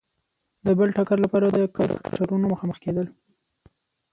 د بل ټکر لپاره د کرکټرونو مخامخ کېدل.